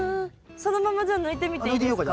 そのままじゃあ抜いてみていいですか？